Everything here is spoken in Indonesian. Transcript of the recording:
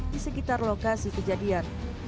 di sekitar lokasi kejadian